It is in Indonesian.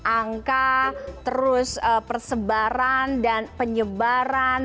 angka terus persebaran dan penyebaran